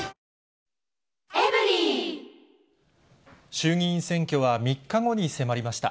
衆議院選挙は３日後に迫りました。